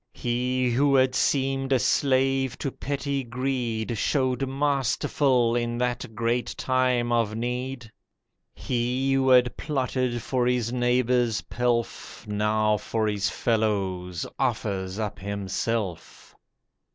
He who had seemed a slave to petty greed Showed masterful in that great time of need. He who had plotted for his neighbour's pelf, Now for his fellows offers up himself.